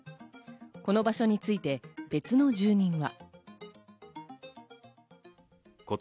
この場所について別の住民は。